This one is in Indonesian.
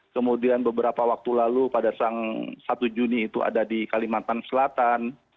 kemudian beberapa waktu lalu pada satu juni itu ada di kalimantan selatan